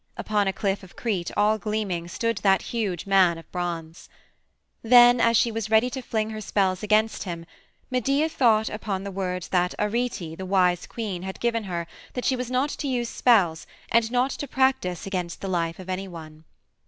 Upon a cliff of Crete, all gleaming, stood that huge man of bronze. Then, as she was ready to fling her spells against him, Medea thought upon the words that Arete, the wise queen, had given her that she was not to use spells and not to practice against the life of any one.